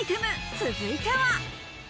続いては。